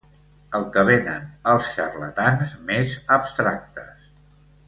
El que venen els xarlatans més abstractes.